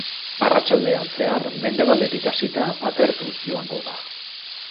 Arratsaldean zehar mendebaldetik hasita atertuz joango da.